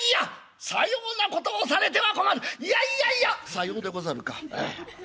さようでござるか。